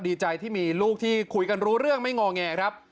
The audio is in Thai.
ดีใจที่มีลูกที่คุยกันรู้เรื่องไม่งอแงครับ